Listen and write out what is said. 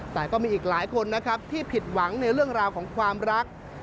แต่ก็มีอีกหลายคนนะครับที่ผิดหวังในเรื่องราวของความรัก